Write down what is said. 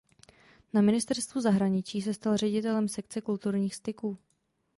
Na ministerstvu zahraničí se stal ředitelem sekce kulturních styků.